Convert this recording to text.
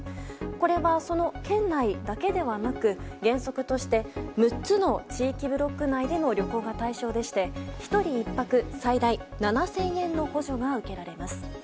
これは、その県内だけではなく原則として６つの地域ブロック内での旅行が対象でして１人１泊最大７０００円の補助が受けられます。